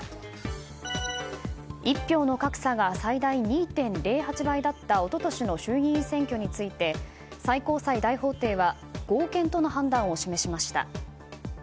一票の格差が最大２．０８倍だった一昨年の衆議院選挙について最高裁大法廷は合憲との判断を示しました。